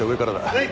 ・はい！